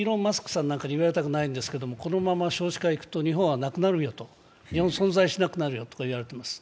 さんなんかに言われたくないんですけど、このままいくと日本はなくなるよと、日本、存在しなくなるよとかいわれています。